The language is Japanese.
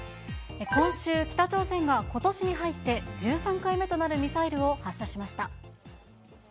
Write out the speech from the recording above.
今週、北朝鮮が、ことしに入って１３回目となるミサイルを発射しました。